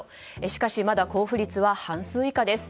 しかしまだ交付率は半数以下です。